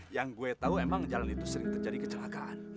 yang gue tahu emang jalan itu sering terjadi kecelakaan